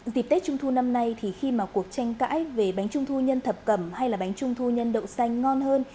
dịp tết trung thu năm nay thì khi mà cuộc tranh cãi về bánh trung thu nhân thập cẩm hay là bánh trung thu nhân đậu xanh ngon hơn